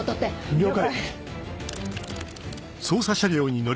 了解。